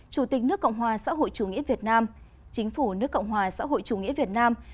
chủ tịch nước cộng hòa xã hội chủ nghĩa việt nam chính phủ nước cộng hòa xã hội chủ nghĩa việt nam